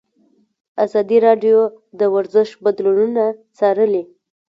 ازادي راډیو د ورزش بدلونونه څارلي.